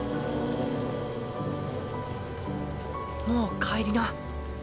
もう帰りな。